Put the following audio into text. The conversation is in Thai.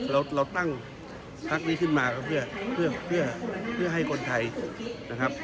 เราตั้งพักนี้ขึ้นมาเพื่อให้คนไทย